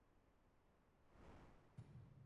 له دې خبرې سره ټولو وخندل، او ډېر خوشاله شول.